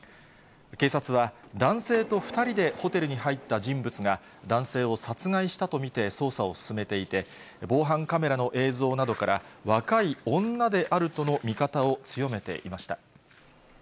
警察は、男性と２人でホテルに入った人物が、男性を殺害したと見て捜査を進めていて、防犯カメラの映像などから、若い女であるとの見方を強めていました。